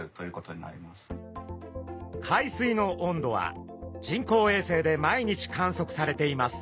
海水の温度は人工衛星で毎日観測されています。